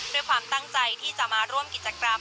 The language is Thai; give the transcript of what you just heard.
ด้วยความตั้งใจที่จะมาร่วมกิจกรรม